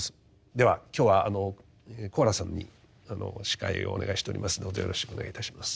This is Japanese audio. では今日は小原さんに司会をお願いしておりますのでよろしくお願いいたします。